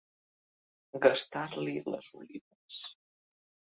Gastar-li les olives.